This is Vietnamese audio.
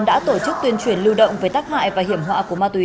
đã tổ chức tuyên truyền lưu động về tác hại và hiểm họa của ma túy